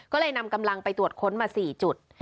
ก็เลยนำกำลังไปตรวจค้นมา๔จุด